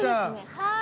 はい。